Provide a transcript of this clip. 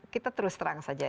kita terus terang saja